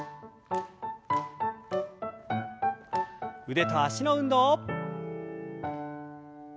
腕と脚の運動。